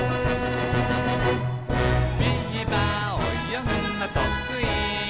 「ビーバーおよぐのとくい」